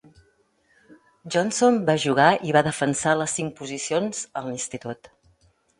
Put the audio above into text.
Johnson va jugar i va defensar les cinc posicions en l'institut.